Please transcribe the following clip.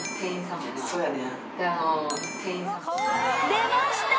［出ました！